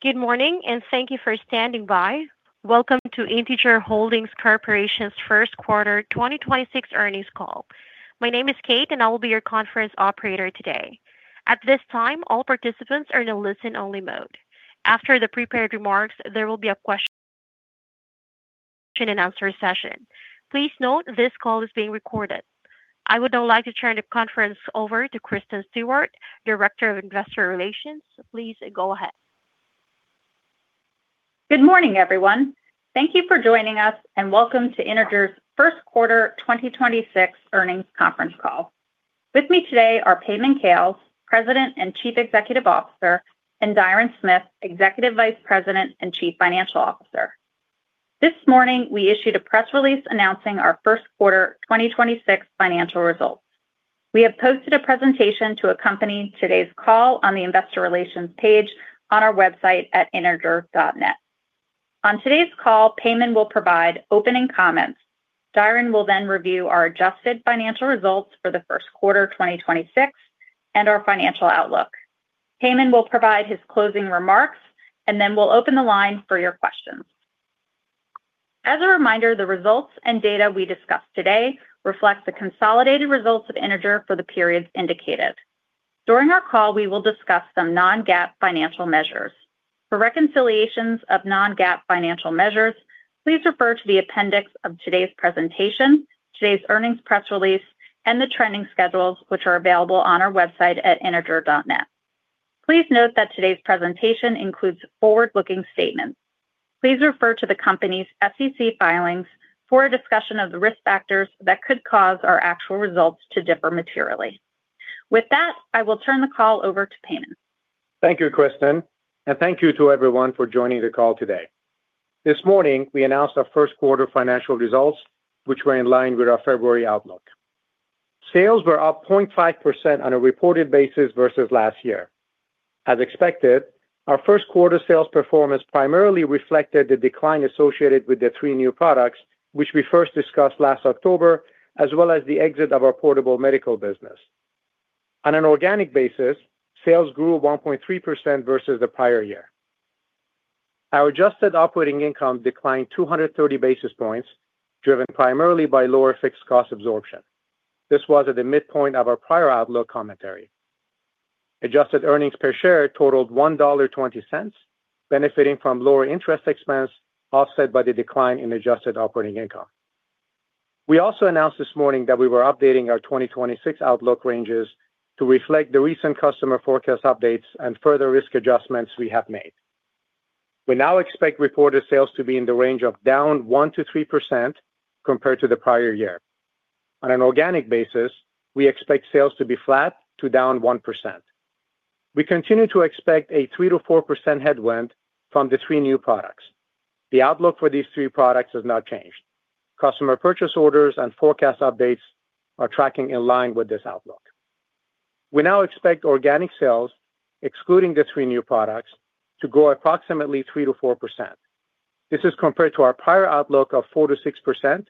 Good morning, and thank you for standing by. Welcome to Integer Holdings Corporation's first quarter 2026 earnings call. My name is Kate, and I will be your conference operator today. At this time, all participants are in a listen-only mode. After the prepared remarks, there will be a question and answer session. Please note this call is being recorded. I would now like to turn the conference over to Kristen Stewart, Director of Investor Relations. Please go ahead. Good morning, everyone. Thank you for joining us, and welcome to Integer's first quarter 2026 earnings conference call. With me today are Payman Khales, President and Chief Executive Officer, and Diron Smith, Executive Vice President and Chief Financial Officer. This morning, we issued a press release announcing our first quarter 2026 financial results. We have posted a presentation to accompany today's call on the investor relations page on our website at integer.net. On today's call, Payman will provide opening comments. Diron will then review our adjusted financial results for the first quarter 2026 and our financial outlook. Payman will provide his closing remarks, and then we'll open the line for your questions. As a reminder, the results and data we discuss today reflect the consolidated results of Integer for the periods indicated. During our call, we will discuss some non-GAAP financial measures. For reconciliations of non-GAAP financial measures, please refer to the appendix of today's presentation, today's earnings press release, and the trending schedules which are available on our website at integer.net. Please note that today's presentation includes forward-looking statements. Please refer to the company's SEC filings for a discussion of the risk factors that could cause our actual results to differ materially. With that, I will turn the call over to Payman. Thank you, Kristen, and thank you to everyone for joining the call today. This morning, we announced our first quarter financial results, which were in line with our February outlook. Sales were up 0.5% on a reported basis versus last year. As expected, our first quarter sales performance primarily reflected the decline associated with the three new products, which we first discussed last October, as well as the exit of our Portable Medical business. On an organic basis, sales grew 1.3% versus the prior year. Our adjusted operating income declined 230 basis points, driven primarily by lower fixed cost absorption. This was at the midpoint of our prior outlook commentary. Adjusted earnings per share totaled $1.20, benefiting from lower interest expense, offset by the decline in adjusted operating income. We also announced this morning that we were updating our 2026 outlook ranges to reflect the recent customer forecast updates and further risk adjustments we have made. We now expect reported sales to be in the range of down 1%-3% compared to the prior year. On an organic basis, we expect sales to be flat to down 1%. We continue to expect a 3%-4% headwind from the three new products. The outlook for these three products has not changed. Customer purchase orders and forecast updates are tracking in line with this outlook. We now expect organic sales, excluding the three new products, to grow approximately 3%-4%. This is compared to our prior outlook of 4%-6%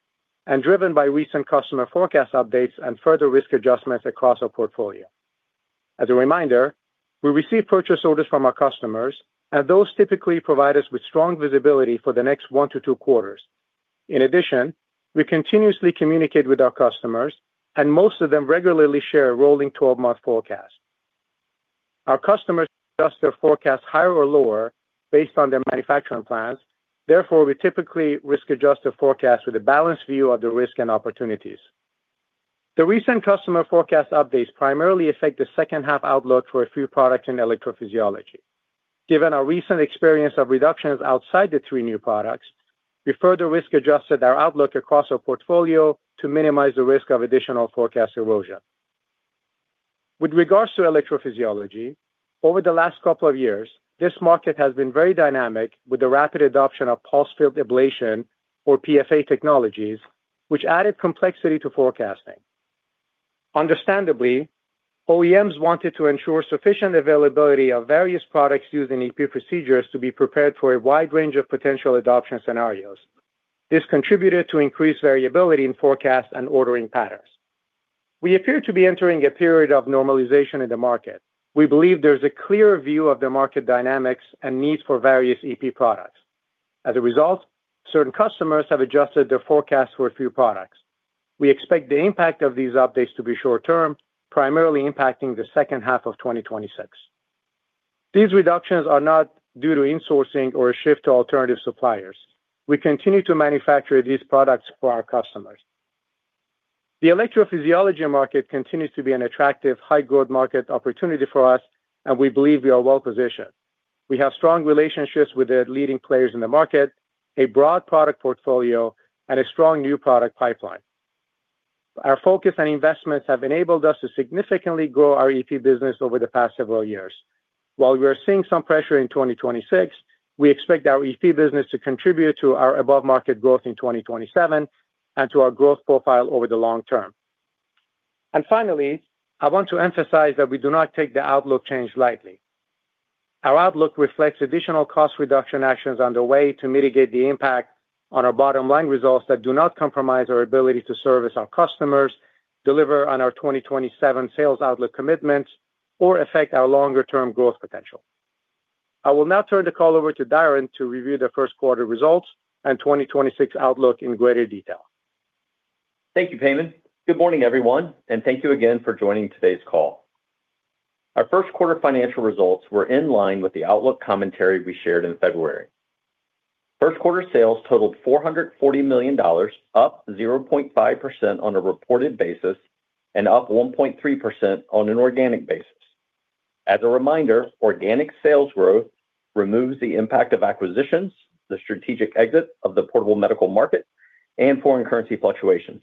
and driven by recent customer forecast updates and further risk adjustments across our portfolio. As a reminder, we receive purchase orders from our customers, those typically provide us with strong visibility for the next one to quarters. In addition, we continuously communicate with our customers, most of them regularly share a rolling 12-month forecast. Our customers adjust their forecast higher or lower based on their manufacturing plans. Therefore, we typically risk-adjust the forecast with a balanced view of the risk and opportunities. The recent customer forecast updates primarily affect the second-half outlook for a few products in electrophysiology. Given our recent experience of reductions outside the three new products, we further risk-adjusted our outlook across our portfolio to minimize the risk of additional forecast erosion. With regards to electrophysiology, over the last couple of years, this market has been very dynamic with the rapid adoption of pulsed field ablation or PFA technologies, which added complexity to forecasting. Understandably, OEMs wanted to ensure sufficient availability of various products using EP procedures to be prepared for a wide range of potential adoption scenarios. This contributed to increased variability in forecast and ordering patterns. We appear to be entering a period of normalization in the market. We believe there's a clearer view of the market dynamics and needs for various EP products. As a result, certain customers have adjusted their forecast for a few products. We expect the impact of these updates to be short-term, primarily impacting the second half of 2026. These reductions are not due to insourcing or a shift to alternative suppliers. We continue to manufacture these products for our customers. The electrophysiology market continues to be an attractive high-growth market opportunity for us, and we believe we are well-positioned. We have strong relationships with the leading players in the market, a broad product portfolio, and a strong new product pipeline. Our focus and investments have enabled us to significantly grow our EP business over the past several years. While we are seeing some pressure in 2026, we expect our EP business to contribute to our above-market growth in 2027 and to our growth profile over the long term. Finally, I want to emphasize that we do not take the outlook change lightly. Our outlook reflects additional cost reduction actions underway to mitigate the impact on our bottom line results that do not compromise our ability to service our customers. Deliver on our 2027 sales outlook commitments or affect our longer-term growth potential. I will now turn the call over to Diron to review the first quarter results and 2026 outlook in greater detail. Thank you, Payman. Good morning, everyone, and thank you again for joining today's call. Our first quarter financial results were in line with the outlook commentary we shared in February. First quarter sales totaled $440 million, up 0.5% on a reported basis and up 1.3% on an organic basis. As a reminder, organic sales growth removes the impact of acquisitions, the strategic exit of the Portable Medical market, and foreign currency fluctuations.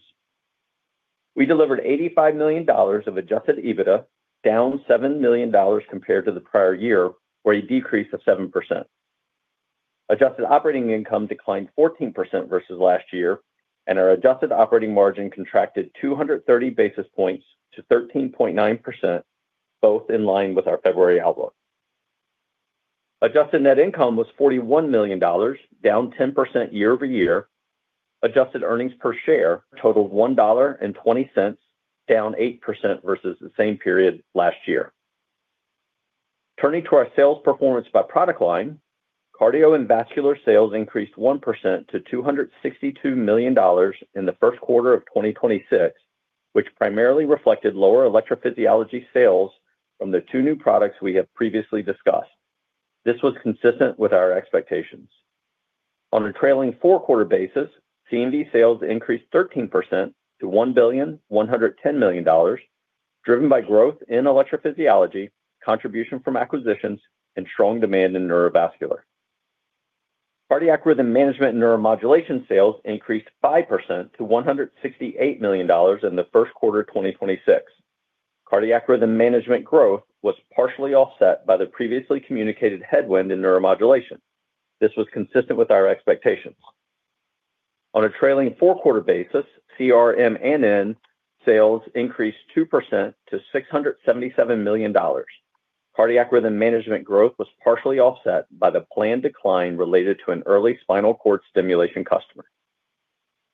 We delivered $85 million of adjusted EBITDA down $7 million compared to the prior year or a decrease of 7%. Adjusted operating income declined 14% versus last year, and our adjusted operating margin contracted 230 basis points to 13.9%, both in line with our February outlook. Adjusted net income was $41 million, down 10% year-over-year. Adjusted earnings per share totaled $1.20, down 8% versus the same period last year. Turning to our sales performance by product line, Cardio & Vascular sales increased 1% to $262 million in the first quarter of 2026, which primarily reflected lower electrophysiology sales from the two new products we have previously discussed. This was consistent with our expectations. On a trailing four-quarter basis, C&V sales increased 13% to $1.11 billion, driven by growth in electrophysiology, contribution from acquisitions, and strong demand in neurovascular. Cardiac Rhythm Management & Neuromodulation sales increased 5% to $168 million in the first quarter of 2026. Cardiac Rhythm Management growth was partially offset by the previously communicated headwind in Neuromodulation. This was consistent with our expectations. On a trailing four-quarter basis, CRM&N sales increased 2% to $677 million. Cardiac Rhythm Management growth was partially offset by the planned decline related to an early spinal cord stimulation customer.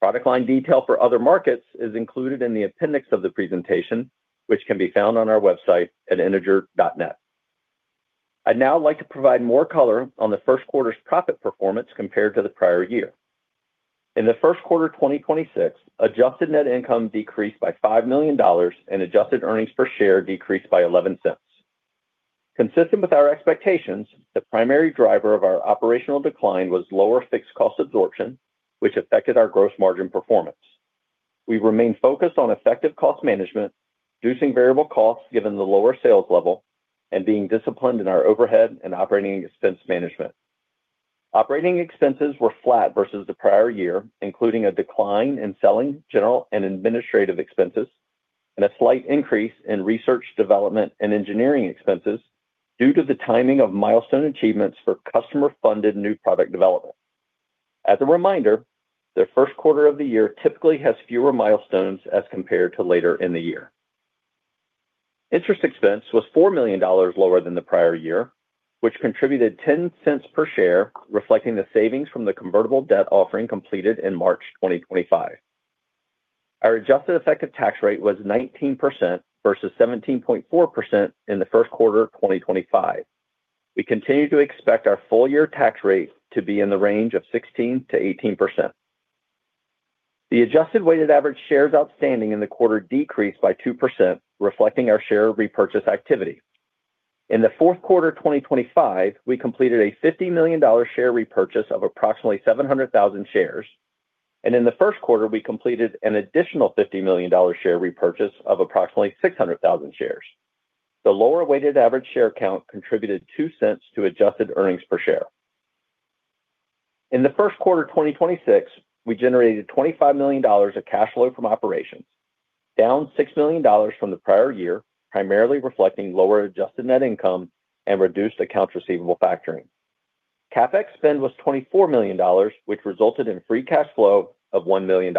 Product line detail for other markets is included in the appendix of the presentation, which can be found on our website at integer.net. I'd now like to provide more color on the first quarter's profit performance compared to the prior year. In the first quarter of 2026, adjusted net income decreased by $5 million and adjusted earnings per share decreased by $0.11. Consistent with our expectations, the primary driver of our operational decline was lower fixed cost absorption, which affected our gross margin performance. We remain focused on effective cost management, reducing variable costs given the lower sales level, and being disciplined in our overhead and operating expense management. Operating expenses were flat versus the prior year, including a decline in selling, general and administrative expenses and a slight increase in research, development, and engineering expenses due to the timing of milestone achievements for customer-funded new product development. As a reminder, the first quarter of the year typically has fewer milestones as compared to later in the year. Interest expense was $4 million lower than the prior year, which contributed $0.10 per share, reflecting the savings from the convertible debt offering completed in March 2025. Our adjusted effective tax rate was 19% versus 17.4% in the first quarter of 2025. We continue to expect our full-year tax rate to be in the range of 16%-18%. The adjusted weighted average shares outstanding in the quarter decreased by 2%, reflecting our share repurchase activity. In the fourth quarter of 2025, we completed a $50 million share repurchase of approximately 700,000 shares, and in the first quarter, we completed an additional $50 million share repurchase of approximately 600,000 shares. The lower weighted average share count contributed $0.02 to adjusted earnings per share. In the first quarter of 2026, we generated $25 million of cash flow from operations, down $6 million from the prior year, primarily reflecting lower adjusted net income and reduced accounts receivable factoring. CapEx spend was $24 million, which resulted in free cash flow of $1 million.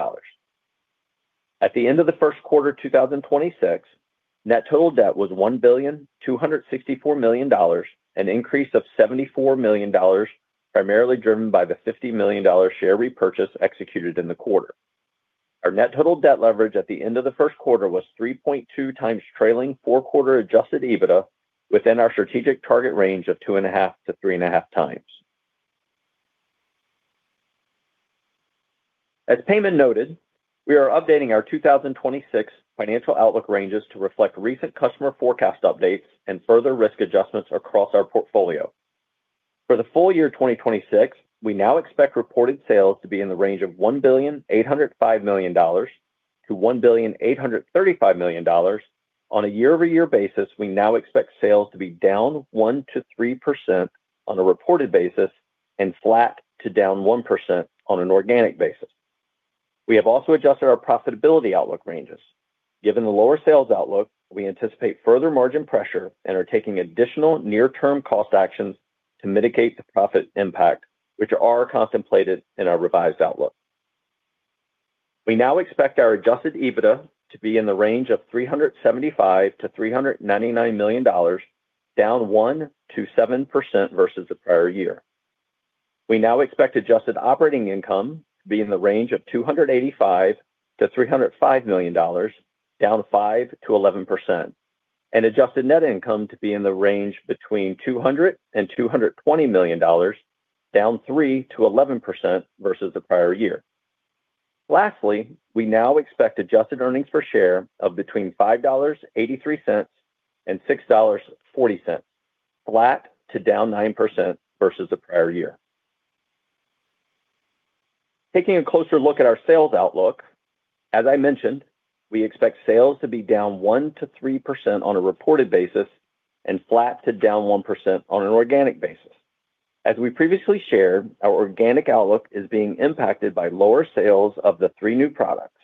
At the end of the first quarter of 2026, net total debt was $1 billion 264 million, an increase of $74 million, primarily driven by the $50 million share repurchase executed in the quarter. Our net total debt leverage at the end of the first quarter was 3.2x trailing four-quarter adjusted EBITDA within our strategic target range of 2.5x-3.5x. As Payman noted, we are updating our 2026 financial outlook ranges to reflect recent customer forecast updates and further risk adjustments across our portfolio. For the full year of 2026, we now expect reported sales to be in the range of $1.805 billion-$1.835 billion. On a year-over-year basis, we now expect sales to be down 1%-3% on a reported basis and flat to down 1% on an organic basis. We have also adjusted our profitability outlook ranges. Given the lower sales outlook, we anticipate further margin pressure and are taking additional near-term cost actions to mitigate the profit impact, which are contemplated in our revised outlook. We now expect our adjusted EBITDA to be in the range of $375 million-$399 million, down 1%-7% versus the prior year. We now expect adjusted operating income to be in the range of $285 million-$305 million, down 5%-11%. Adjusted net income to be in the range between $200 million and $220 million, down 3%-11% versus the prior year. Lastly, we now expect adjusted earnings per share of between $5.83 and $6.40, flat to down 9% versus the prior year. Taking a closer look at our sales outlook, as I mentioned, we expect sales to be down 1%-3% on a reported basis and flat to down 1% on an organic basis. As we previously shared, our organic outlook is being impacted by lower sales of the three new products.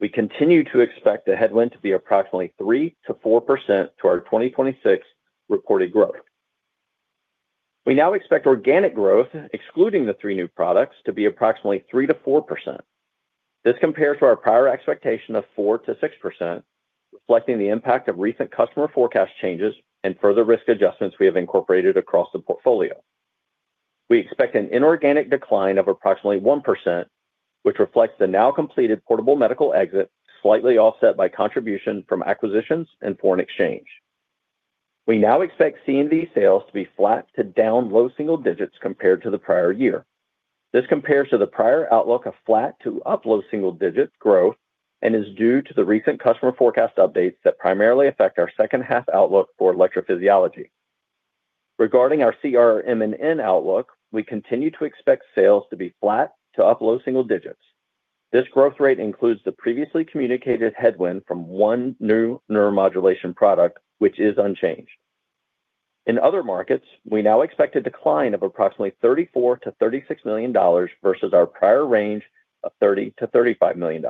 We continue to expect the headwind to be approximately 3%-4% to our 2026 reported growth. We now expect organic growth, excluding the three new products, to be approximately 3%-4%. This compares to our prior expectation of 4%-6%, reflecting the impact of recent customer forecast changes and further risk adjustments we have incorporated across the portfolio. We expect an inorganic decline of approximately 1%, which reflects the now completed Portable Medical exit, slightly offset by contribution from acquisitions and foreign exchange. We now expect C&V sales to be flat to down low single digits compared to the prior year. This compares to the prior outlook of flat to up low single digits growth and is due to the recent customer forecast updates that primarily affect our second half outlook for electrophysiology. Regarding our CRM&N outlook, we continue to expect sales to be flat to up low single digits. This growth rate includes the previously communicated headwind from one new neuromodulation product, which is unchanged. In other markets, we now expect a decline of approximately $34 million-$36 million versus our prior range of $30 million-$35 million.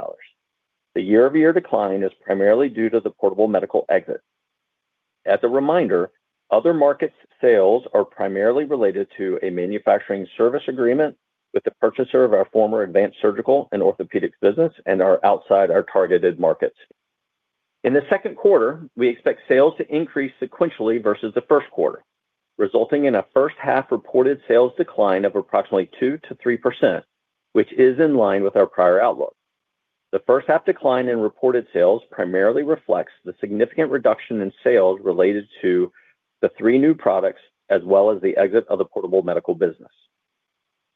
The year-over-year decline is primarily due to the Portable Medical exit. As a reminder, other markets' sales are primarily related to a manufacturing service agreement with the purchaser of our former Advanced Surgical and Orthopedics business and are outside our targeted markets. In the second quarter, we expect sales to increase sequentially versus the first quarter, resulting in a first half reported sales decline of approximately 2%-3%, which is in line with our prior outlook. The first half decline in reported sales primarily reflects the significant reduction in sales related to the three new products as well as the exit of the Portable Medical business.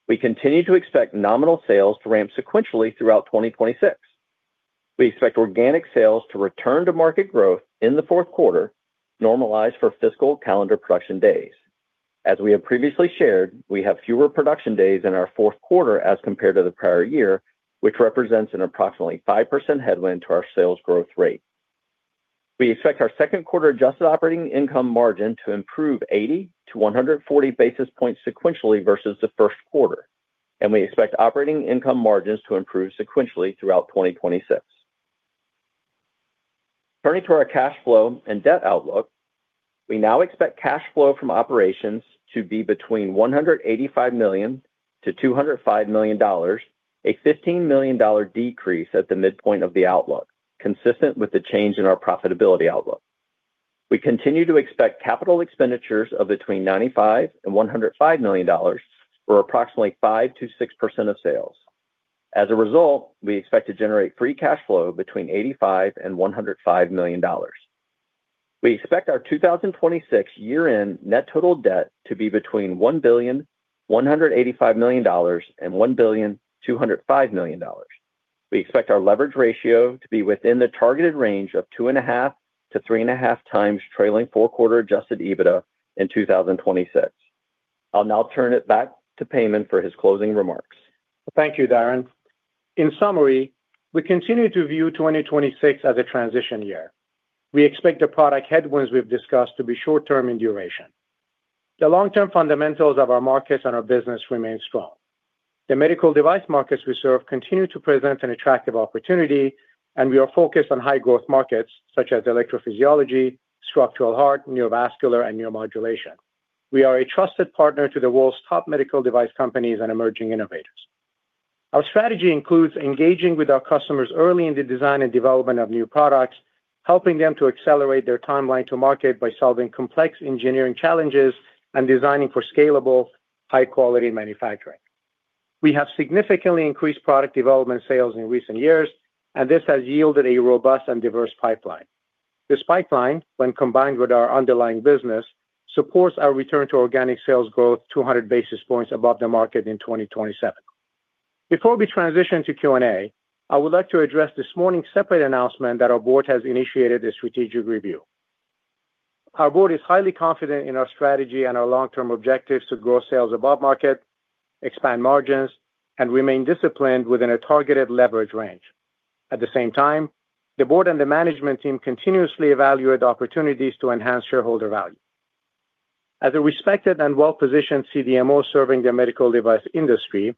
We continue to expect nominal sales to ramp sequentially throughout 2026. We expect organic sales to return to market growth in the fourth quarter, normalized for fiscal calendar production days. As we have previously shared, we have fewer production days in our fourth quarter as compared to the prior year, which represents an approximately 5% headwind to our sales growth rate. We expect our second quarter adjusted operating income margin to improve 80-140 basis points sequentially versus the first quarter. We expect operating income margins to improve sequentially throughout 2026. Turning to our cash flow and debt outlook, we now expect cash flow from operations to be between $185 million-$205 million, a $15 million decrease at the midpoint of the outlook, consistent with the change in our profitability outlook. We continue to expect capital expenditures of between $95 million and $105 million, or approximately 5% to 6% of sales. As a result, we expect to generate free cash flow between $85 million and $105 million. We expect our 2026 year-end net total debt to be between $1,185 million and $1,205 million. We expect our leverage ratio to be within the targeted range of 2.5x to 3.5x trailing four-quarter adjusted EBITDA in 2026. I'll now turn it back to Payman for his closing remarks. Thank you, Diron. In summary, we continue to view 2026 as a transition year. We expect the product headwinds we've discussed to be short term in duration. The long term fundamentals of our markets and our business remain strong. The medical device markets we serve continue to present an attractive opportunity, and we are focused on high growth markets such as electrophysiology, structural heart, neurovascular, and neuromodulation. We are a trusted partner to the world's top medical device companies and emerging innovators. Our strategy includes engaging with our customers early in the design and development of new products, helping them to accelerate their timeline to market by solving complex engineering challenges and designing for scalable, high quality manufacturing. We have significantly increased product development sales in recent years, and this has yielded a robust and diverse pipeline. This pipeline, when combined with our underlying business, supports our return to organic sales growth 200 basis points above the market in 2027. Before we transition to Q&A, I would like to address this morning's separate announcement that our board has initiated a strategic review. Our board is highly confident in our strategy and our long-term objectives to grow sales above market, expand margins, and remain disciplined within a targeted leverage range. At the same time, the board and the management team continuously evaluate opportunities to enhance shareholder value. As a respected and well-positioned CDMO serving the medical device industry,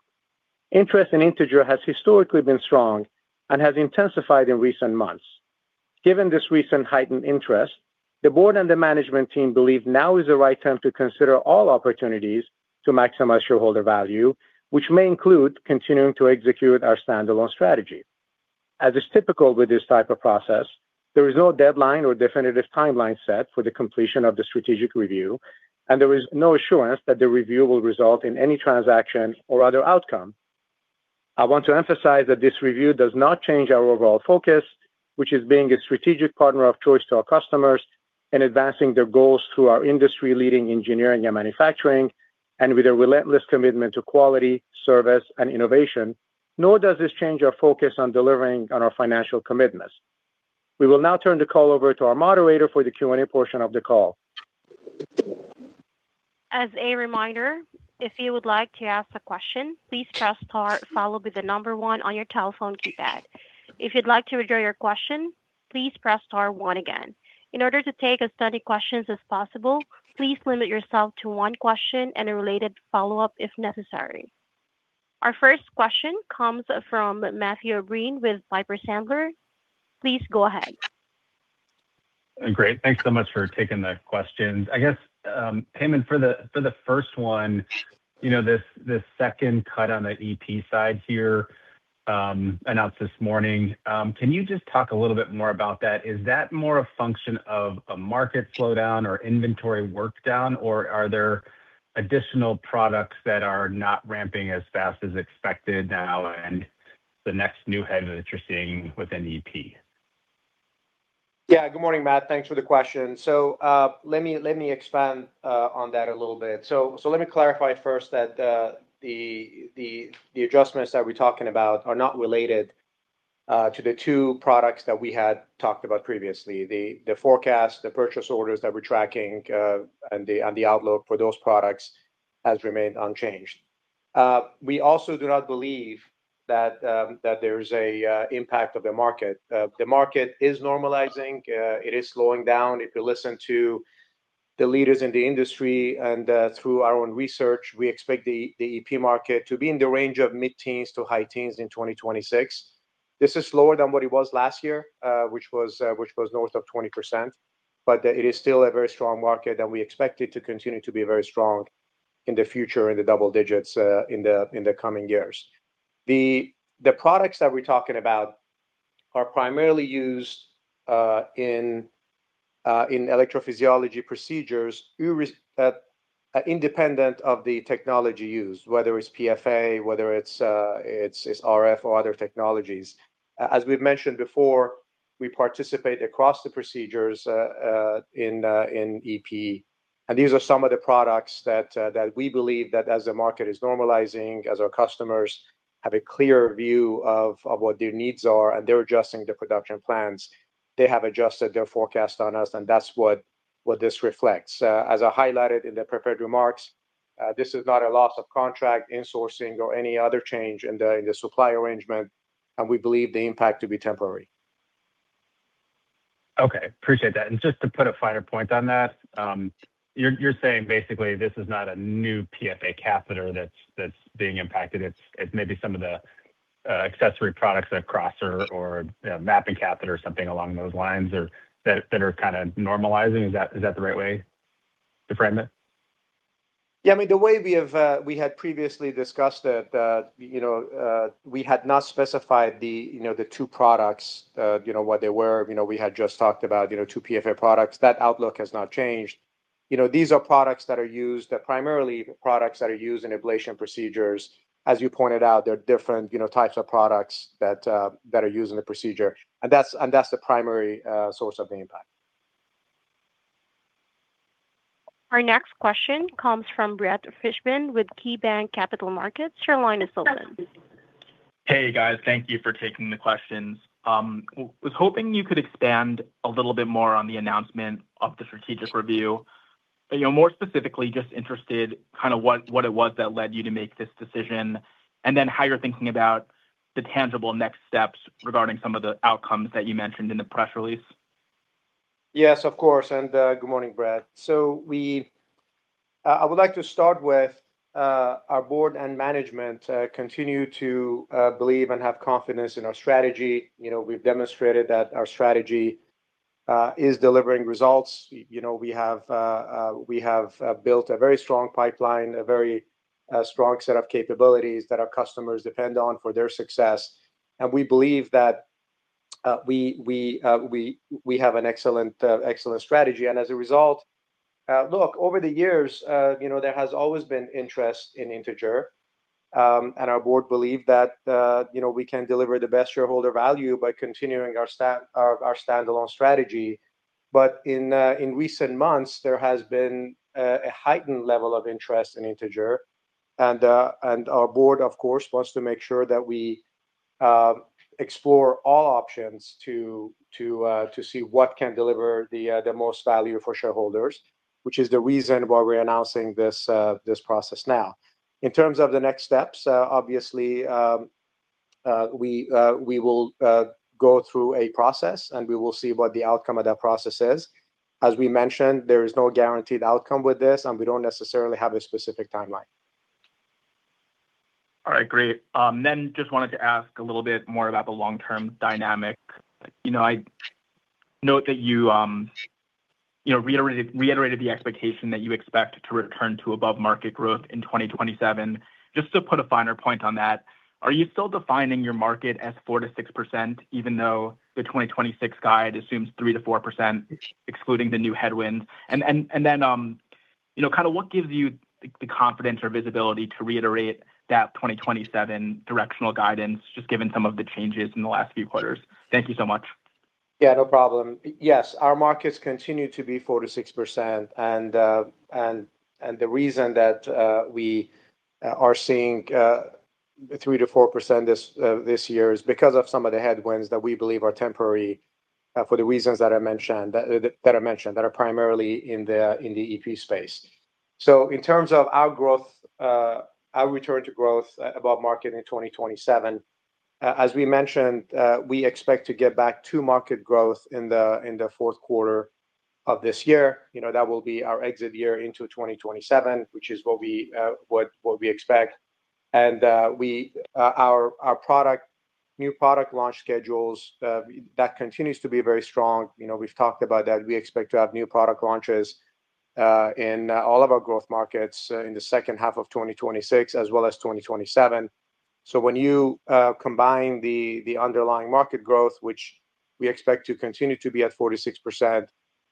interest in Integer has historically been strong and has intensified in recent months. Given this recent heightened interest, the board and the management team believe now is the right time to consider all opportunities to maximize shareholder value, which may include continuing to execute our standalone strategy. As is typical with this type of process, there is no deadline or definitive timeline set for the completion of the strategic review. There is no assurance that the review will result in any transaction or other outcome. I want to emphasize that this review does not change our overall focus, which is being a strategic partner of choice to our customers and advancing their goals through our industry-leading engineering and manufacturing, and with a relentless commitment to quality, service, and innovation. Nor does this change our focus on delivering on our financial commitments. We will now turn the call over to our moderator for the Q&A portion of the call. As a reminder, if you would like to ask a question, please press star followed by 1 on your telephone keypad. If you'd like to withdraw your question, please press star 1 again. In order to take as many questions as possible, please limit yourself to 1 question and a related follow-up if necessary. Our first question comes from Matthew Green with Piper Sandler. Please go ahead. Great. Thanks so much for taking the questions. I guess, Payman, for the, for the first one, you know, this second cut on the EP side here, announced this morning, can you just talk a little bit more about that? Is that more a function of a market slowdown or inventory work down, or are there additional products that are not ramping as fast as expected now and the next new head that you're seeing within EP? Yeah. Good morning, Matt. Thanks for the question. Let me expand on that a little bit. Let me clarify first that the adjustments that we're talking about are not related to the products that we had talked about previously. The forecast, the purchase orders that we're tracking, and the outlook for those products has remained unchanged. We also do not believe that there is a impact of the market. The market is normalizing. It is slowing down. If you listen to the leaders in the industry and through our own research, we expect the EP market to be in the range of mid-teens to high teens in 2026. This is slower than what it was last year, which was north of 20%. It is still a very strong market, and we expect it to continue to be very strong in the future in the double digits, in the coming years. The products that we're talking about are primarily used in electrophysiology procedures independent of the technology used, whether it's PFA, whether it's RF or other technologies. As we've mentioned before, we participate across the procedures in EP, and these are some of the products that we believe that as the market is normalizing, as our customers have a clear view of what their needs are, and they're adjusting their production plans, they have adjusted their forecast on us, and that's what this reflects. As I highlighted in the prepared remarks, this is not a loss of contract, insourcing, or any other change in the supply arrangement. We believe the impact to be temporary. Okay. Appreciate that. Just to put a finer point on that, you're saying basically this is not a new PFA catheter that's being impacted. It's maybe some of the accessory products like Crosser or, you know, mapping catheter or something along those lines or that are kind of normalizing. Is that, is that the right way to frame it? I mean, the way we have, we had previously discussed it, you know, we had not specified the, you know, the two products, you know, what they were. You know, we had just talked about, you know, two PFA products. That outlook has not changed. You know, these are products that are used. They're primarily products that are used in ablation procedures. As you pointed out, there are different, you know, types of products that are used in the procedure, and that's the primary source of the impact. Our next question comes from Brett Fishman with KeyBanc Capital Markets. Your line is open. Hey, guys. Thank you for taking the questions. Was hoping you could expand a little bit more on the announcement of the strategic review. You know, more specifically just interested kind of what it was that led you to make this decision and then how you're thinking about the tangible next steps regarding some of the outcomes that you mentioned in the press release. Yes, of course. Good morning, Brett. I would like to start with our board and management continue to believe and have confidence in our strategy. You know, we've demonstrated that our strategy is delivering results. You know, we have built a very strong pipeline, a very strong set of capabilities that our customers depend on for their success, and we believe that we have an excellent strategy. As a result, look, over the years, you know, there has always been interest in Integer, and our board believe that, you know, we can deliver the best shareholder value by continuing our standalone strategy. In recent months, there has been a heightened level of interest in Integer and our board of course wants to make sure that we explore all options to to see what can deliver the most value for shareholders, which is the reason why we're announcing this process now. In terms of the next steps, obviously, we will go through a process, and we will see what the outcome of that process is. As we mentioned, there is no guaranteed outcome with this, and we don't necessarily have a specific timeline. All right. Great. Just wanted to ask a little bit more about the long-term dynamic. Note that you reiterated the expectation that you expect to return to above-market growth in 2027. Just to put a finer point on that, are you still defining your market as 4%-6% even though the 2026 guide assumes 3%-4% excluding the new headwinds? What gives you the confidence or visibility to reiterate that 2027 directional guidance, just given some of the changes in the last few quarters? Thank you so much. Yeah, no problem. Yes, our markets continue to be 4%-6% and the reason that we are seeing 3%-4% this year is because of some of the headwinds that we believe are temporary for the reasons that I mentioned, that are primarily in the EP space. In terms of our growth, our return to growth above market in 2027, as we mentioned, we expect to get back to market growth in the fourth quarter of this year. You know, that will be our exit year into 2027, which is what we expect. Our product, new product launch schedules that continues to be very strong. You know, we've talked about that. We expect to have new product launches in all of our growth markets in the second half of 2026 as well as 2027. When you combine the underlying market growth, which we expect to continue to be at 4% to 6%,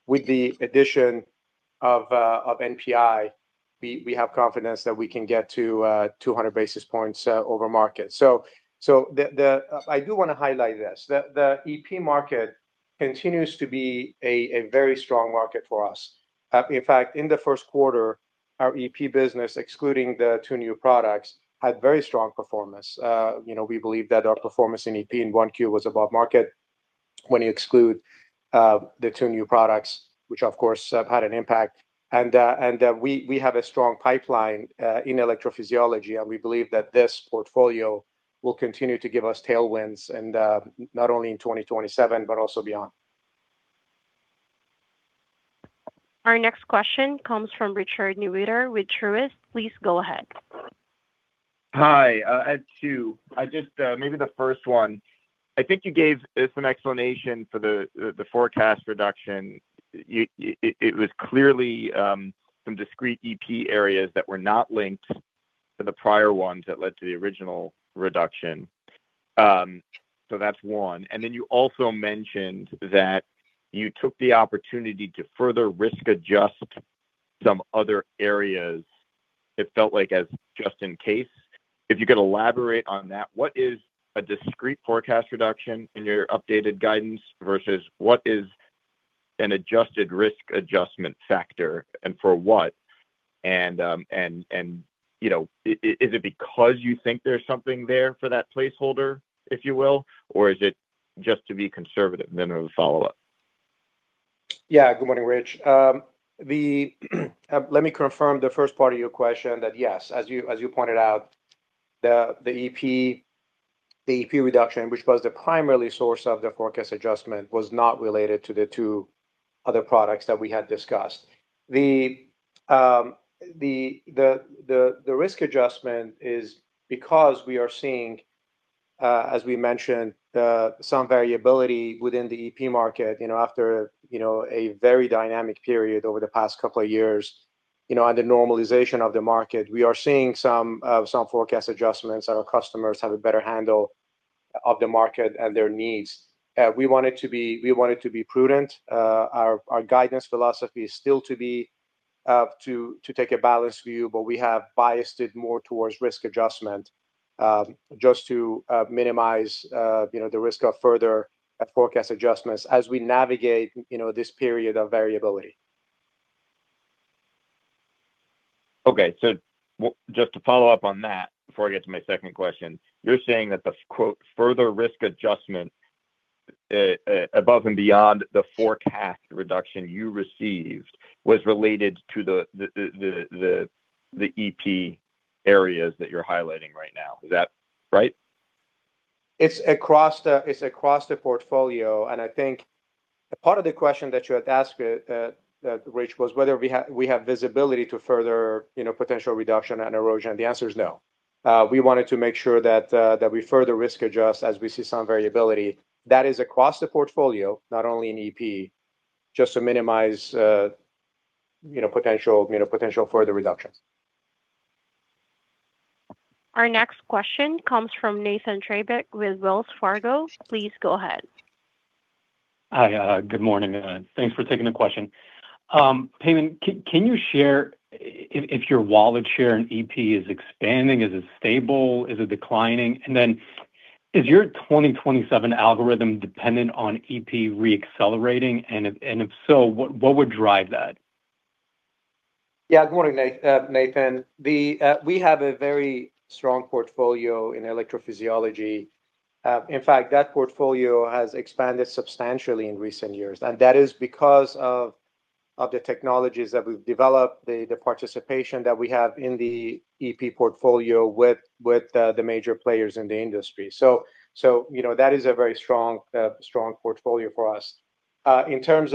with the addition of NPI, we have confidence that we can get to 200 basis points over market. I do wanna highlight this, the EP market continues to be a very strong market for us. In fact, in the 1st quarter, our EP business, excluding the two new products, had very strong performance. You know, we believe that our performance in EP in 1Q was above market when you exclude the two new products, which of course have had an impact. We have a strong pipeline in electrophysiology, and we believe that this portfolio will continue to give us tailwinds not only in 2027 but also beyond. Our next question comes from Richard Newitter with Truist. Please go ahead. Hi, I had two. I just, maybe the first one. I think you gave us an explanation for the forecast reduction. It was clearly some discrete EP areas that were not linked to the prior ones that led to the original reduction. That's one. You also mentioned that you took the opportunity to further risk adjust some other areas. It felt like as just in case. If you could elaborate on that, what is a discrete forecast reduction in your updated guidance versus what is an adjusted risk adjustment factor and for what? And, you know, is it because you think there's something there for that placeholder, if you will? Or is it just to be conservative? There was a follow-up. Yeah. Good morning, Rich. Let me confirm the first part of your question that, yes, as you pointed out, the EP reduction, which was the primary source of the forecast adjustment, was not related to the two other products that we had discussed. The risk adjustment is because we are seeing, as we mentioned, some variability within the EP market, you know, after, you know, a very dynamic period over the past couple of years, you know, and the normalization of the market. We are seeing some forecast adjustments. Our customers have a better handle of the market and their needs. We wanted to be prudent. Our guidance philosophy is still to be to take a balanced view, but we have biased it more towards risk adjustment, just to minimize, you know, the risk of further forecast adjustments as we navigate, you know, this period of variability. Just to follow up on that before I get to my second question, you're saying that the, quote, "further risk adjustment," above and beyond the forecast reduction you received was related to the EP areas that you're highlighting right now. Is that right? It's across the portfolio. I think part of the question that you had asked, Rich, was whether we have visibility to further, you know, potential reduction and erosion. The answer is no. We wanted to make sure that we further risk adjust as we see some variability. That is across the portfolio, not only in EP, just to minimize, you know, potential further reductions. Our next question comes from Nathan Treybeck with Wells Fargo. Please go ahead. Hi, good morning, thanks for taking the question. Payman, can you share if your wallet share in EP is expanding, is it stable, is it declining? Is your 2027 algorithm dependent on EP re-accelerating? If, and if so, what would drive that? Yeah. Good morning, Nathan. The we have a very strong portfolio in electrophysiology. In fact, that portfolio has expanded substantially in recent years, and that is because of the technologies that we've developed, the participation that we have in the EP portfolio with the major players in the industry. You know, that is a very strong portfolio for us. In terms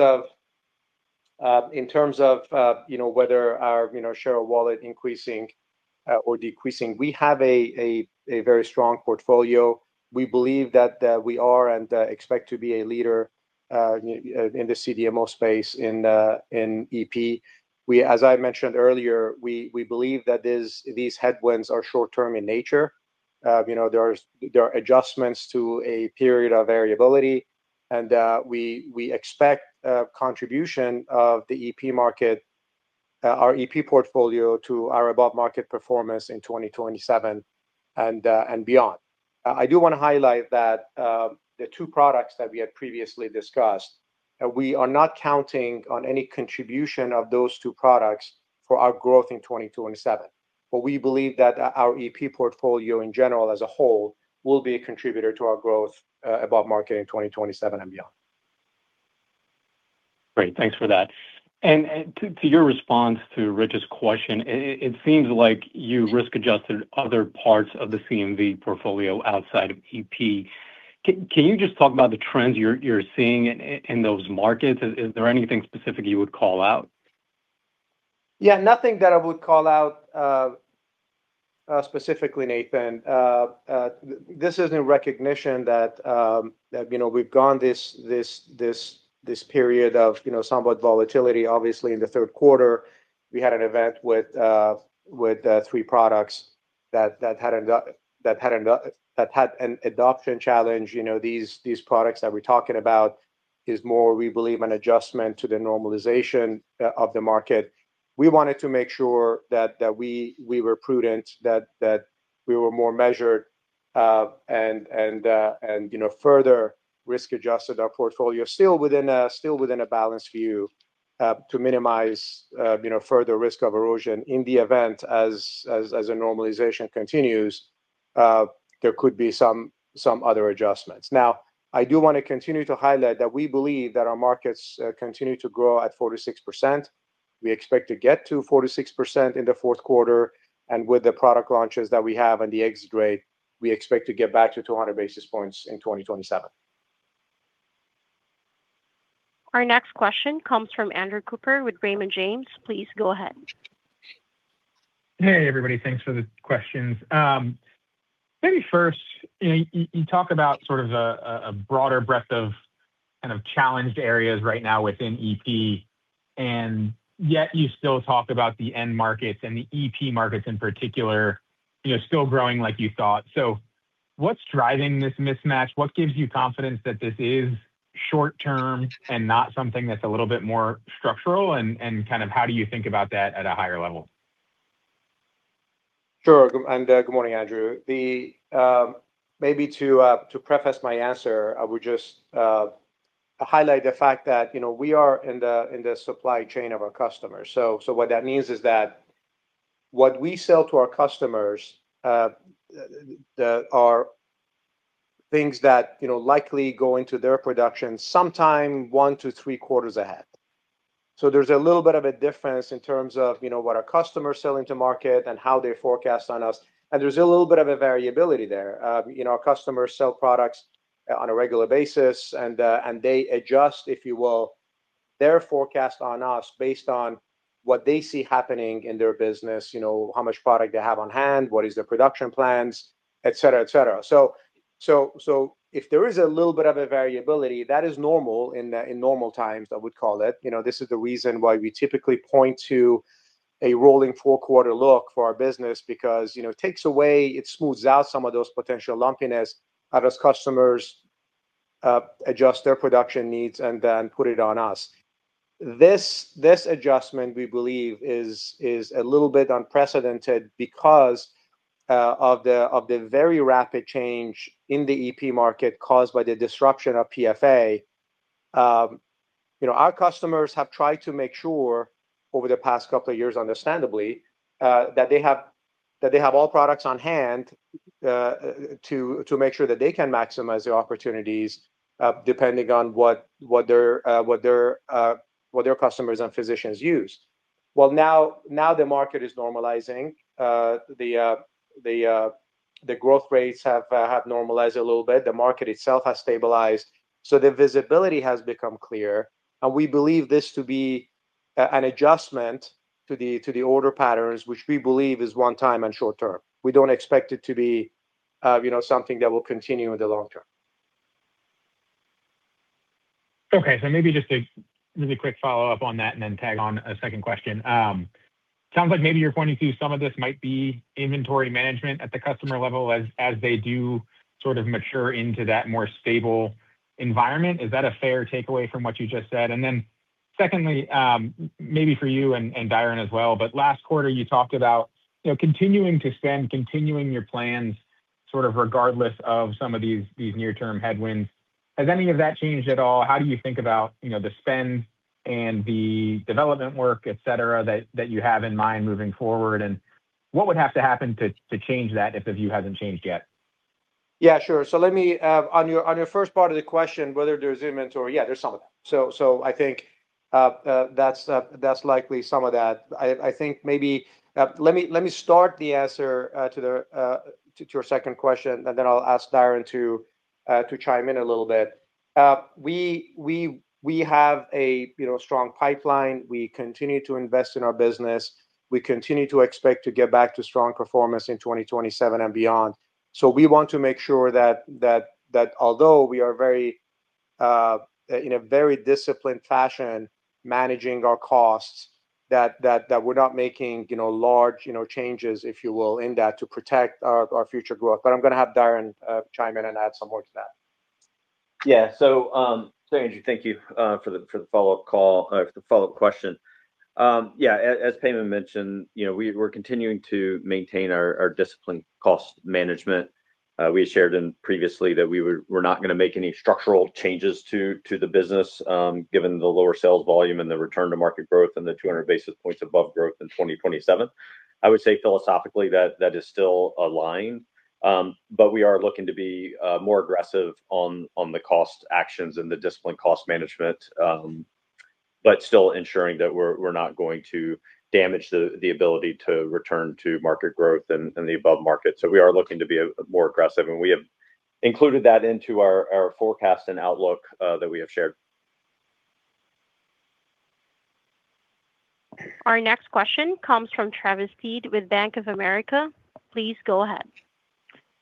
of, you know, whether our, you know, share of wallet increasing or decreasing, we have a very strong portfolio. We believe that we are and expect to be a leader in the CDMO space in EP. As I mentioned earlier, we believe that these headwinds are short-term in nature. You know, there's, there are adjustments to a period of variability and we expect contribution of the EP market, our EP portfolio to our above-market performance in 2027 and beyond. I do wanna highlight that the two products that we had previously discussed, we are not counting on any contribution of those two products for our growth in 2027. We believe that our EP portfolio in general as a whole will be a contributor to our growth above market in 2027 and beyond. Great. Thanks for that. To your response to Rich's question, it seems like you risk-adjusted other parts of the C&V portfolio outside of EP. Can you just talk about the trends you're seeing in those markets? Is there anything specific you would call out? Yeah, nothing that I would call out specifically, Nathan. This is in recognition that, you know, we've gone this period of, you know, somewhat volatility. Obviously, in the third quarter, we had an event with 3 products that had an adoption challenge. You know, these products that we're talking about is more, we believe, an adjustment to the normalization of the market. We wanted to make sure that we were prudent, that we were more measured, and, you know, further risk-adjusted our portfolio still within a balanced view to minimize, you know, further risk of erosion in the event as a normalization continues. There could be some other adjustments. Now, I do wanna continue to highlight that we believe that our markets continue to grow at 46%. We expect to get to 46% in the fourth quarter, and with the product launches that we have and the exit rate, we expect to get back to 200 basis points in 2027. Our next question comes from Andrew Cooper with Raymond James. Please go ahead. Hey, everybody. Thanks for the questions. Maybe first, you know, you talk about sort of a, a broader breadth of kind of challenged areas right now within EP, and yet you still talk about the end markets and the EP markets in particular, you know, still growing like you thought. What's driving this mismatch? What gives you confidence that this is short term and not something that's a little bit more structural and kind of how do you think about that at a higher level? Sure. Good morning, Andrew. Maybe to preface my answer, I would just highlight the fact that, you know, we are in the supply chain of our customers. What that means is that what we sell to our customers are things that, you know, likely go into their production sometime one to three quarters ahead. There's a little bit of a difference in terms of, you know, what our customers sell into market and how they forecast on us, and there's a little bit of a variability there. You know, our customers sell products on a regular basis and they adjust, if you will, their forecast on us based on what they see happening in their business, you know, how much product they have on hand, what is their production plans, et cetera, et cetera. If there is a little bit of a variability, that is normal in normal times, I would call it. You know, this is the reason why we typically point to a rolling four-quarter look for our business because, you know, it takes away, it smooths out some of those potential lumpiness as customers adjust their production needs and then put it on us. This, this adjustment, we believe, is a little bit unprecedented because of the very rapid change in the EP market caused by the disruption of PFA. You know, our customers have tried to make sure over the past two years, understandably, that they have all products on hand to make sure that they can maximize their opportunities, depending on what their customers and physicians use. Now the market is normalizing. The growth rates have normalized a little bit. The market itself has stabilized, so the visibility has become clear, and we believe this to be an adjustment to the order patterns, which we believe is one time and short term. We don't expect it to be, you know, something that will continue in the long term. Maybe just a really quick follow-up on that and then tag on a second question. Sounds like maybe you're pointing to some of this might be inventory management at the customer level as they do sort of mature into that more stable environment. Is that a fair takeaway from what you just said? Secondly, maybe for you and Diron as well, last quarter you talked about, you know, continuing to spend, continuing your plans sort of regardless of some of these near-term headwinds. Has any of that changed at all? How do you think about, you know, the spend and the development work, et cetera, that you have in mind moving forward, what would have to happen to change that if the view hasn't changed yet? Yeah, sure. Let me on your first part of the question, whether there's inventory, yeah, there's some of that. I think that's likely some of that. I think maybe let me start the answer to your second question, and then I'll ask Diron to chime in a little bit. We have a, you know, strong pipeline. We continue to invest in our business. We continue to expect to get back to strong performance in 2027 and beyond. We want to make sure that although we are very in a very disciplined fashion managing our costs, that we're not making, you know, large, you know, changes, if you will, in that to protect our future growth. I'm gonna have Diron chime in and add some more to that. Andrew, thank you for the follow-up call, for the follow-up question. As Payman mentioned, you know, we're continuing to maintain our disciplined cost management. We had shared in previously that we're not gonna make any structural changes to the business, given the lower sales volume and the return to market growth and the 200 basis points above growth in 2027. I would say philosophically that that is still aligned, we are looking to be more aggressive on the cost actions and the disciplined cost management, still ensuring that we're not going to damage the ability to return to market growth and the above market. We are looking to be more aggressive, and we have included that into our forecast and outlook that we have shared. Our next question comes from Travis Steed with Bank of America. Please go ahead.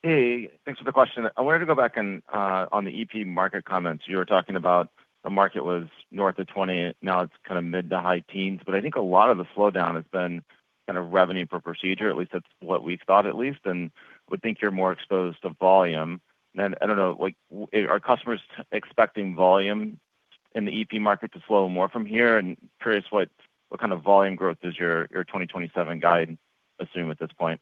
Hey, thanks for the question. I wanted to go back on the electrophysiology market comments. You were talking about the market was north of 20, now it's kind of mid-to-high teens. I think a lot of the slowdown has been kind of revenue per procedure, at least that's what we've thought at least, and would think you're more exposed to volume. I don't know, like, are customers expecting volume in the electrophysiology market to slow more from here? Curious what kind of volume growth does your 2027 guide assume at this point?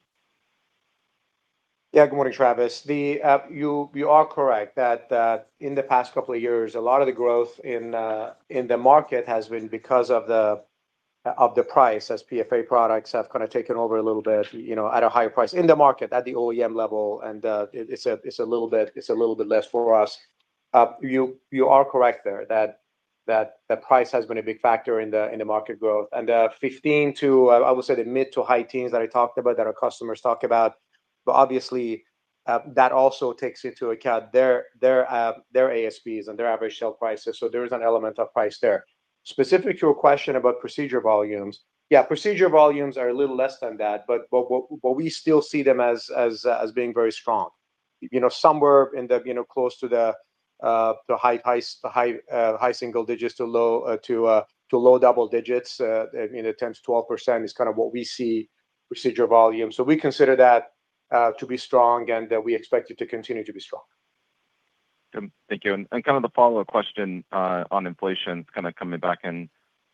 Yeah. Good morning, Travis. You are correct that in the past couple of years, a lot of the growth in the market has been because of the price as PFA products have kind of taken over a little bit, you know, at a higher price in the market at the OEM level, and it's a little bit less for us. You are correct there that the price has been a big factor in the market growth. 15 to I would say the mid to high teens that I talked about, that our customers talk about, but obviously, that also takes into account their ASPs and their average sale prices. There is an element of price there. Specific to your question about procedure volumes, yeah, procedure volumes are a little less than that, but we still see them as being very strong. You know, somewhere in the, you know, close to the high single digits to low double digits, I mean, the 10%-12% is kind of what we see procedure volume. We consider that to be strong and that we expect it to continue to be strong. Thank you. Kind of a follow-up question on inflation kind of coming back in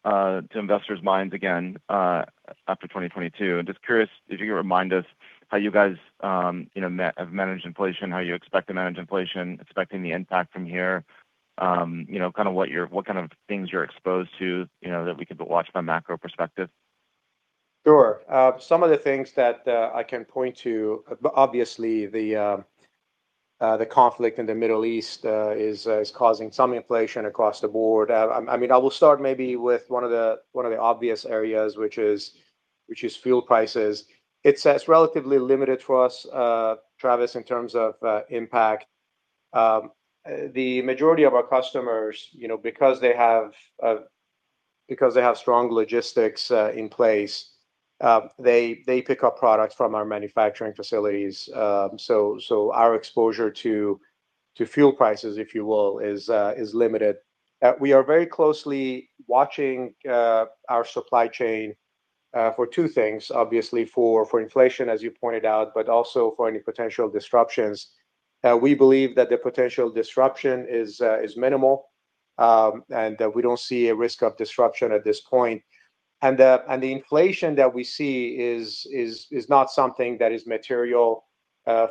to investors' minds again after 2022. Just curious if you could remind us how you guys, you know, have managed inflation, how you expect to manage inflation, expecting the impact from here, you know, kind of what you're, what kind of things you're exposed to, you know, that we could watch from a macro perspective. Sure. Some of the things that I can point to, obviously the conflict in the Middle East is causing some inflation across the board. I mean, I will start maybe with one of the obvious areas, which is fuel prices. It's relatively limited for us, Travis, in terms of impact. The majority of our customers, you know, because they have strong logistics in place, they pick up products from our manufacturing facilities. Our exposure to fuel prices, if you will, is limited. We are very closely watching our supply chain for two things. Obviously for inflation, as you pointed out, also for any potential disruptions. We believe that the potential disruption is minimal, and that we don't see a risk of disruption at this point. The inflation that we see is not something that is material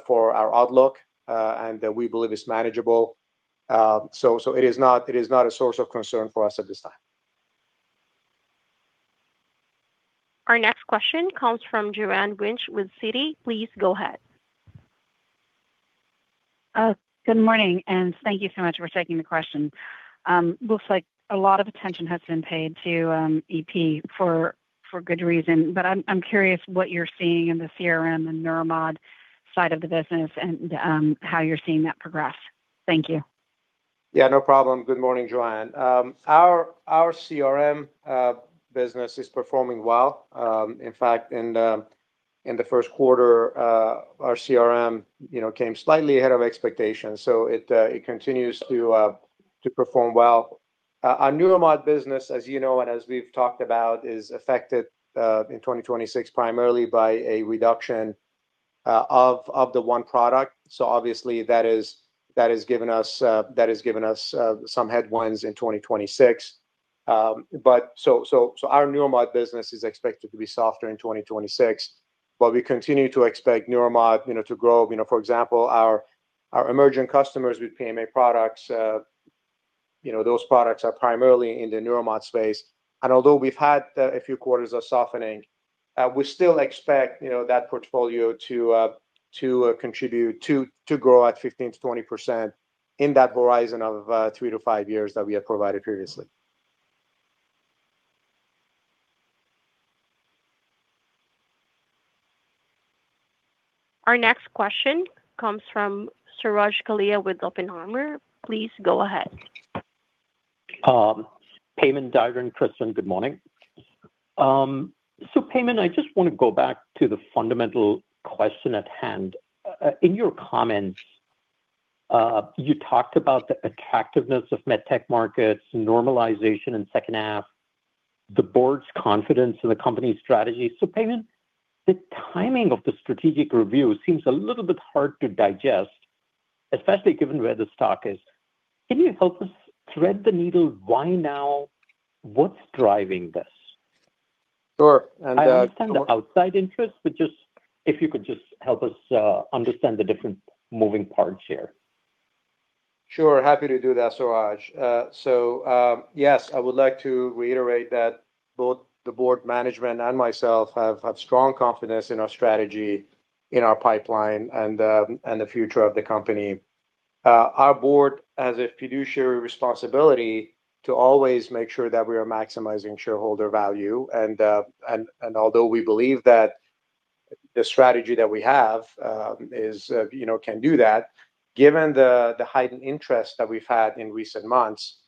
for our outlook, and that we believe is manageable. It is not a source of concern for us at this time. Our next question comes from Joanne Wuensch with Citi. Please go ahead. Good morning, and thank you so much for taking the question. Looks like a lot of attention has been paid to EP for good reason, but I'm curious what you're seeing in the CRM and Neuromodulation side of the business and how you're seeing that progress. Thank you. No problem. Good morning, Joanne. Our CRM business is performing well. In fact, in the first quarter, our CRM, you know, came slightly ahead of expectations. It continues to perform well. Our Neuromodulation business, as you know and as we've talked about, is affected in 2026 primarily by a reduction of the one product. Obviously that has given us some headwinds in 2026. So our Neuromodulation business is expected to be softer in 2026. We continue to expect Neuromodulation, you know, to grow. You know, for example, our emerging customers with PMA products, you know, those products are primarily in the Neuromodulation space. Although we've had a few quarters of softening, we still expect, you know, that portfolio to contribute to grow at 15%-20% in that horizon of three to five years that we have provided previously. Our next question comes from Suraj Kalia with Oppenheimer. Please go ahead. Payman, Diron, Kristen, good morning. Payman, I just wanna go back to the fundamental question at hand. In your comments, you talked about the attractiveness of med tech markets, normalization in second half, the board's confidence in the company's strategy. Payman, the timing of the strategic review seems a little bit hard to digest, especially given where the stock is. Can you help us thread the needle why now? What's driving this? Sure. I understand the outside interest, but just if you could just help us understand the different moving parts here. Sure. Happy to do that, Suraj. Yes, I would like to reiterate that both the board management and myself have strong confidence in our strategy, in our pipeline and the future of the company. Our board has a fiduciary responsibility to always make sure that we are maximizing shareholder value and although we believe that the strategy that we have, you know, can do that, given the heightened interest that we've had in recent months,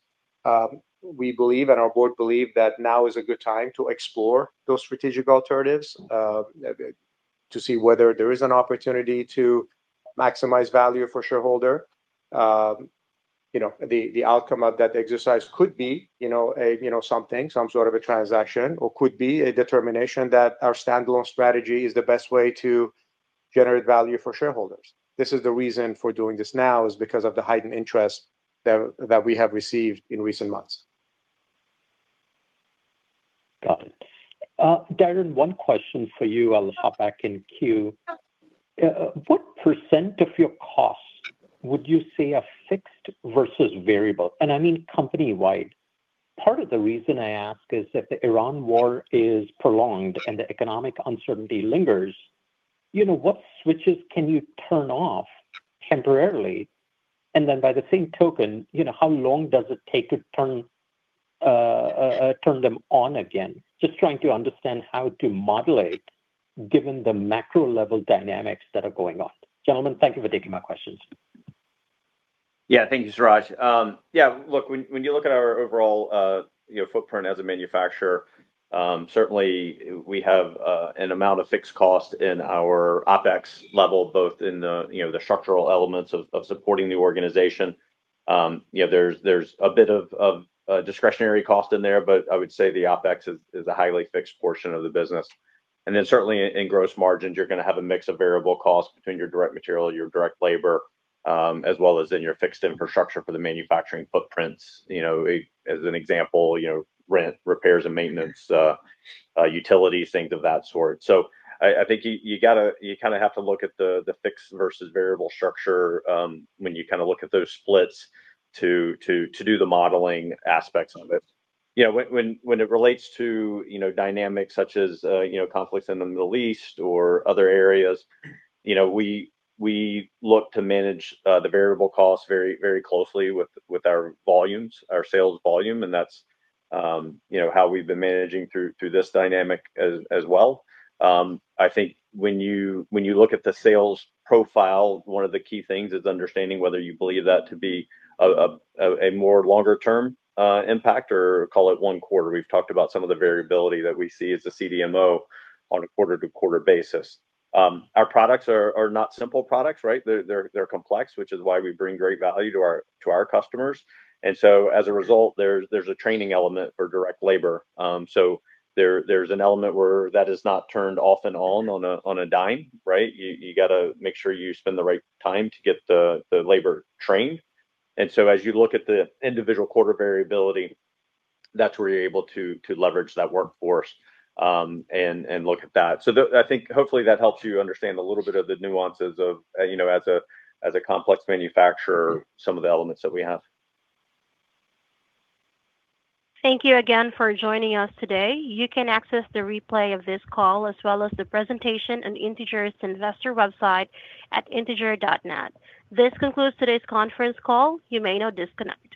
we believe and our board believe that now is a good time to explore those strategic alternatives to see whether there is an opportunity to maximize value for shareholder. You know, the outcome of that exercise could be, you know, something, some sort of a transaction or could be a determination that our standalone strategy is the best way to generate value for shareholders. This is the reason for doing this now, is because of the heightened interest that we have received in recent months. Got it. Diron, one question for you. I'll hop back in queue. What % of your costs would you say are fixed versus variable? I mean company-wide. Part of the reason I ask is if the Iran war is prolonged and the economic uncertainty lingers, you know, what switches can you turn off temporarily? Then by the same token, you know, how long does it take to turn them on again? Just trying to understand how to modulate given the macro level dynamics that are going on. Gentlemen, thank you for taking my questions. Thank you, Suraj. Yeah, look, when you look at our overall, you know, footprint as a manufacturer, certainly we have an amount of fixed cost in our OpEx level, both in the, you know, structural elements of supporting the organization. You know, there's a bit of discretionary cost in there, but I would say the OpEx is a highly fixed portion of the business. Certainly in gross margins, you're gonna have a mix of variable costs between your direct material, your direct labor, as well as in your fixed infrastructure for the manufacturing footprints. You know, as an example, you know, rent, repairs and maintenance, utilities, things of that sort. I think you gotta, you kinda have to look at the fixed versus variable structure, when you kinda look at those splits to do the modeling aspects of it. You know, when it relates to, you know, dynamics such as, you know, conflicts in the Middle East or other areas, you know, we look to manage the variable costs very closely with our volumes, our sales volume, and that's, you know, how we've been managing through this dynamic as well. I think when you look at the sales profile, one of the key things is understanding whether you believe that to be a more longer term impact or call it one quarter. We've talked about some of the variability that we see as a CDMO on a quarter-to-quarter basis. Our products are not simple products, right? They're complex, which is why we bring great value to our customers. As a result, there's a training element for direct labor. So there's an element where that is not turned off and on a dime, right? You gotta make sure you spend the right time to get the labor trained. As you look at the individual quarter variability, that's where you're able to leverage that workforce, and look at that. I think hopefully that helps you understand a little bit of the nuances of, you know, as a complex manufacturer, some of the elements that we have. Thank you again for joining us today. You can access the replay of this call as well as the presentation on Integer's investor website at integer.net. This concludes today's conference call. You may now disconnect.